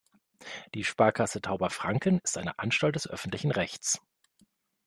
Die Sparkasse Tauberfranken ist eine Anstalt des öffentlichen Rechts.